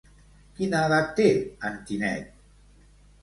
Quina edat té en Tinet?